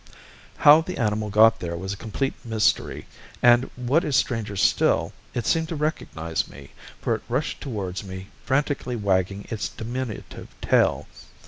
How the animal got there was a complete mystery, and, what is stranger still, it seemed to recognize me, for it rushed towards me, frantically wagging its diminutive tail.